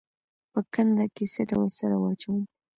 په کنده کې څه ډول سره واچوم؟